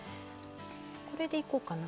これでいこうかな。